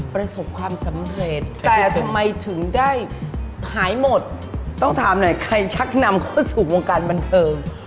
ประสบความสำเร็จแต่ทำไมถึงได้หายหมดต้องถามหน่อยใครชักนำเข้าสู่วงการบันเทิง